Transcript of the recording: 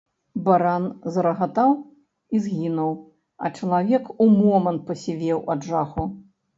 Баран зарагатаў і згінуў, а чалавек у момант пасівеў ад жаху.